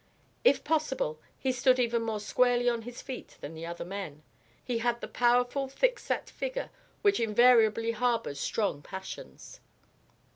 If possible, he stood even more squarely on his feet than the other men. He had the powerful thick set figure which invariably harbours strong passions.